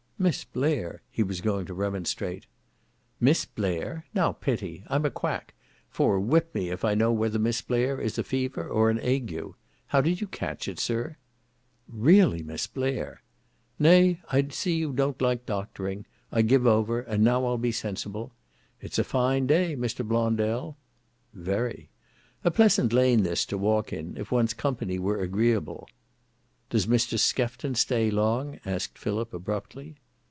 '"Miss Blair!" he was going to remonstrate. '"Miss Blair! Now, pity. I'm a quack! for whip me, if I know whether Miss Blair is a fever or an ague. How did you catch it, sir?" '"Really, Miss Blair—" '"Nay, I see you don't like doctoring; I give over, and now I'll be sensible. It's a fine day, Mr. Blondel." '"Very." '"A pleasant lane, this, to walk in, if one's company were agreeable." '"Does Mr. Skefton stay long?" asked Philip, abruptly.